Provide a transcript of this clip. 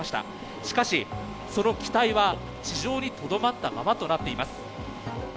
しかし、その機体は地上にとどまったままとなっています。